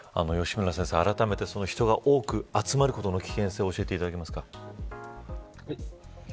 あらためて人が多く集まることの危険性を教えていただけますか。